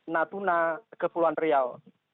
natuna kekuluan riau